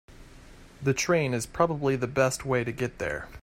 The train is probably the best way to get there.